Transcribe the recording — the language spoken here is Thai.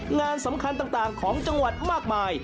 งานสำคัญต่างของจังหวัดมากมาย